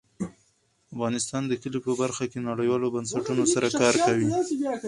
افغانستان د کلي په برخه کې نړیوالو بنسټونو سره کار کوي.